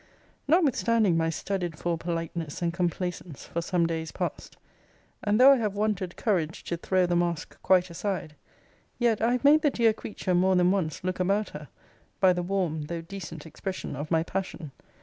Notwithstanding my studied for politeness and complaisance for some days past; and though I have wanted courage to throw the mask quite aside; yet I have made the dear creature more than once look about her, by the warm, though decent expression of my passion.